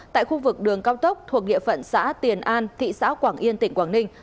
tại khu vực đường cao tốc thuộc địa phận xã tiền an thị xã quảng yên tỉnh quảng ninh